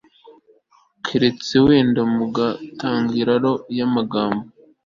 keretse wenda mu ntangiriro y'amagambo